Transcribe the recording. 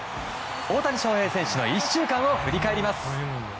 大谷翔平選手の１週間を振り返ります。